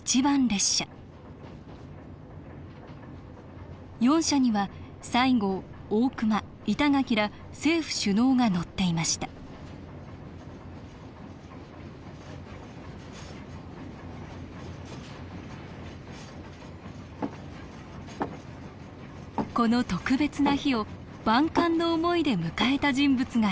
列車四車には西郷大隈板垣ら政府首脳が乗っていましたこの特別な日を万感の思いで迎えた人物がいます。